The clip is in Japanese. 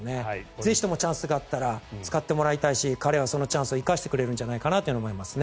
ぜひともチャンスがあったら使ってもらいたいし彼はそのチャンスを生かしてくれるんじゃないかなと思いますね。